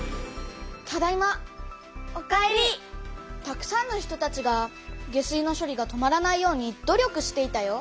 たくさんの人たちが下水のしょりが止まらないように努力していたよ。